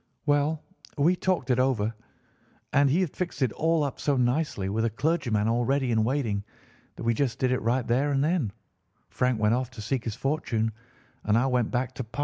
Well, we talked it over, and he had fixed it all up so nicely, with a clergyman all ready in waiting, that we just did it right there; and then Frank went off to seek his fortune, and I went back to Pa.